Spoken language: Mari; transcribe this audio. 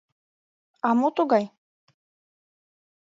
— А мо тугай?